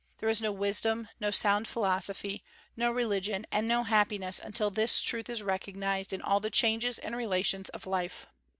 There is no wisdom, no sound philosophy, no religion, and no happiness until this truth is recognized in all the changes and relations of life.